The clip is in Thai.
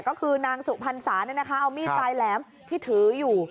ก็คือนางสุพรรษานี่นะคะเอามีดไตแหลมที่ถืออยู่